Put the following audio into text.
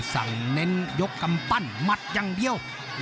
เน้นยกกำปั้นหมัดอย่างเดียว